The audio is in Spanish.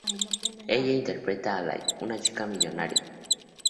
Ella interpreta a Lake, una chica millonaria.